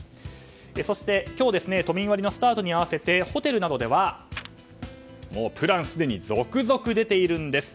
そして今日、都民割のスタートに合わせてホテルなどではプランすでに続々出ているんです。